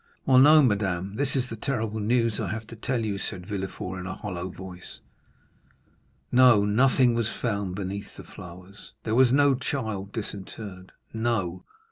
"Well, no, madame,—this is the terrible news I have to tell you," said Villefort in a hollow voice—"no, nothing was found beneath the flowers; there was no child disinterred—no.